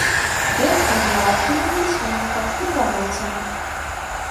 Бергман была актыўным пісьменнікам і прамоўцам.